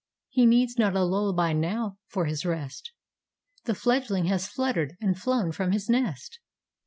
He needs not a lullaby now for his rest; The fledgling has fluttered, and flown from his nest.